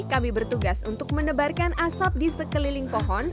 kami bertugas untuk mendebarkan asap di sekeliling pohon